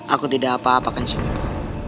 aku tidak apa apa kan cipu